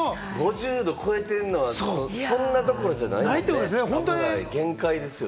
５０度超えてんのは、そんなどころじゃないと思う、限界ですよね。